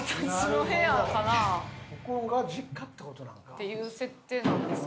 っていう設定なんですか？